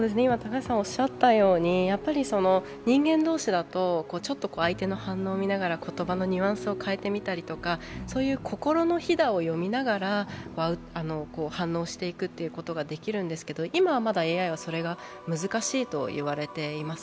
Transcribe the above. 人間同士だと、相手の反応を見ながら言葉のニュアンスを変えてみたりとか、心のひだを読みながら、反応していくことができるんですけど今はまだＡＩがそれが難しいと言われています。